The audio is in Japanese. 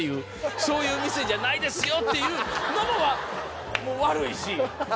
そういう店じゃないですよ！って言うのも悪いし。